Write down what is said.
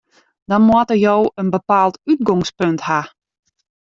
Dan moatte jo in bepaald útgongspunt ha.